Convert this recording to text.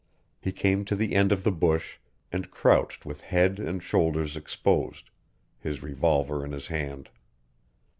He came to the end of the bush, and crouched with head and shoulders exposed, his revolver in his hand.